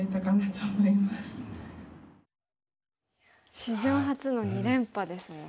史上初の２連覇ですもんね。